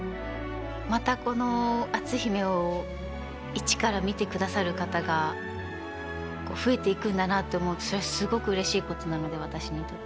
またこの「篤姫」を一から見てくださる方が増えていくんだなって思うとそれはすごくうれしいことなので私にとって。